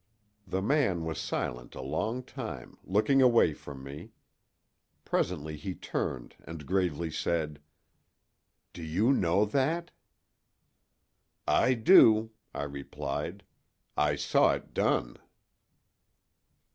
The man was silent a long time, looking away from me. Presently he turned and gravely said: "Do you know that?" "I do," I replied; "I saw it done."